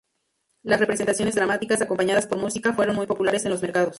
Las representaciones dramáticas, acompañadas por música, fueron muy populares en los mercados.